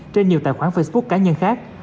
trên nhiều tài khoản facebook cá nhân khác